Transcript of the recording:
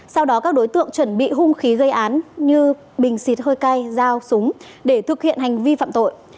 sau đó các đối tượng chuẩn bị hung khí gây án như bình xịt hơi cay dao súng để thực hiện hành vi phạm tội